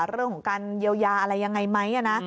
เรื่องของการเยียวยาอะไรยังไงไหม